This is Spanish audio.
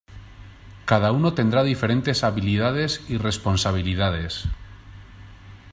Cada uno tendrá diferentes habilidades y responsabilidades.